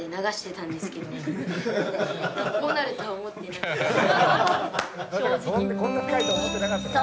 まさかこんな深いと思ってなかったから。